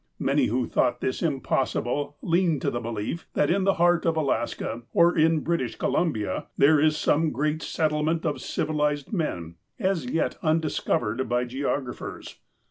Many who thought this impossible leaned to the belief that in the heart of Alaska or in British Columbia there is some great settlement of civilized men, as yet undiscovered by geographers.